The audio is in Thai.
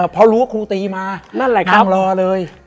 เพราะรู้ว่าครูตรีมานั่งรอเลย